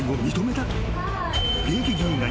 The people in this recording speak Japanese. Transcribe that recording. ［現役議員が］